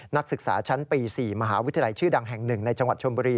นักศึกษาชั้นปี๔มหาวิทยาลัยชื่อดังแห่ง๑ในจังหวัดชมบุรี